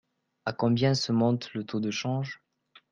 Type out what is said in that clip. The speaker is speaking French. À combien se monte le taux de change ?